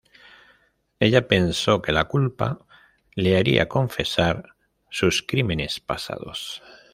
Ella pensó que la culpa le haría confesar sus crímenes pasados.